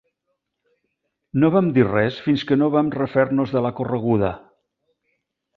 No vam dir res fins que no vam refer-nos de la correguda.